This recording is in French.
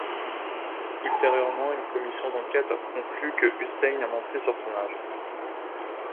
Ultérieurement, une commission d'enquête conclut que Hussein a menti sur son âge.